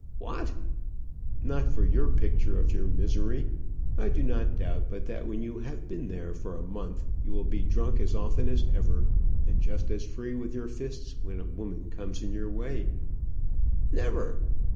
"What!" "Not for your picture of your misery. I do not doubt but that when you have been there for a month you will be drunk as often as ever, and just as free with your fists when a woman comes in your way." "Never!"